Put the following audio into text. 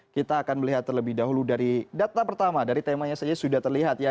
kita akan melihat terlebih dahulu dari data pertama dari temanya saja sudah terlihat ya